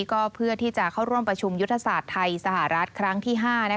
ก็เพื่อที่จะเข้าร่วมประชุมยุทธศาสตร์ไทยสหรัฐครั้งที่๕